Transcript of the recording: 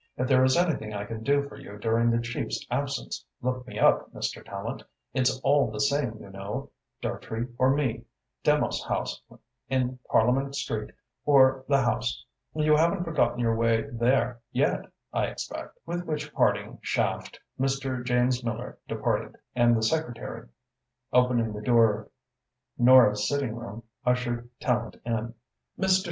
"If there is anything I can do for you during the chief's absence, look me up, Mr. Tallente. It's all the same, you know Dartrey or me Demos House in Parliament Street, or the House. You haven't forgotten your way there yet, I expect?" With which parting shaft Mr. James Miller departed, and the secretary, Opening the door of Nora's sitting room, ushered Tallente in. "Mr.